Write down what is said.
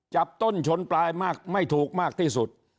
จับต้นชนปลายมากไม่ถูกมากที่สุด